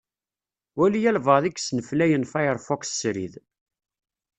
Wali albaɛḍ i yesneflayen Firefox srid.